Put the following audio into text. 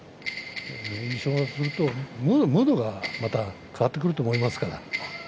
優勝するとムードがまた変わってくると思いますから。